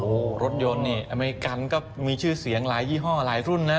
โอ้โหรถยนต์นี่อเมริกันก็มีชื่อเสียงหลายยี่ห้อหลายรุ่นนะ